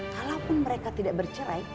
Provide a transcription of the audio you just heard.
walaupun mereka tidak bercerai